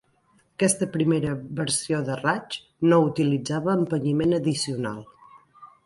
Aquesta primera versió de raig no utilitzava empenyiment addicional.